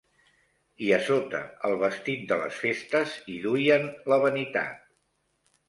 I a sota el vestit de les festes hi duien la vanitat